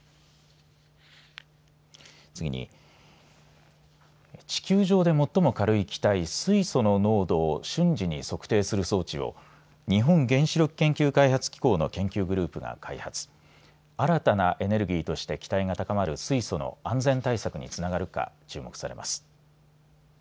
次に、地球上で最も軽い気体水素の濃度を瞬時に測定する装置を日本原子力研究開発機構の研究グループが開発新たなエネルギーとして期待が高まる水素の安全対策につながるか注目されます。